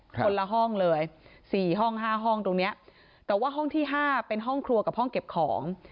คนละห้องเลย๔ห้อง๕ห้องตรงเนี้ยแต่ว่าห้องที่๕เป็นห้องครัวกับห้องเก็บของ